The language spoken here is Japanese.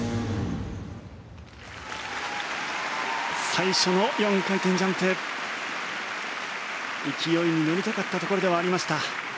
最初の４回転ジャンプ勢いに乗りたかったところではありました。